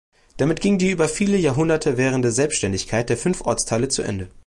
Damit ging die über viele Jahrhunderte währende Selbständigkeit der fünf Ortsteile zu Ende.